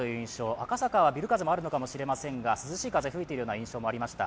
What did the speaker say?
赤坂はビル風のあるかもしれませんが涼しい風吹いているような印象がありました。